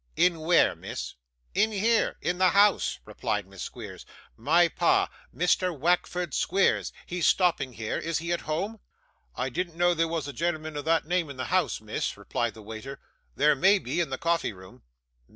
'In where, miss?' 'In here in the house!' replied Miss Squeers. 'My pa Mr. Wackford Squeers he's stopping here. Is he at home?' 'I didn't know there was any gen'l'man of that name in the house, miss' replied the waiter. 'There may be, in the coffee room.